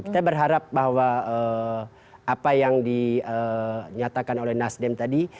kita berharap bahwa apa yang dinyatakan oleh nasdem tadi